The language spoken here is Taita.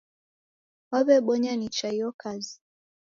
Waw'ebonya nicha iyo kazi.